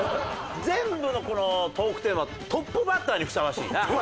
全部のこのトークテーマトップバッターにふさわしいな。